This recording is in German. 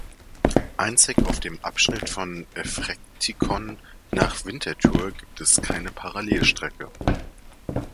Einzig auf dem Abschnitt von Effretikon nach Winterthur gibt es keine Parallelstrecke.